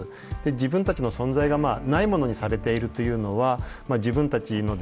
自分たちの存在がないものにされているというのはまあ自分たちのですね